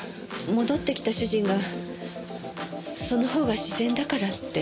戻ってきた主人がその方が自然だからって。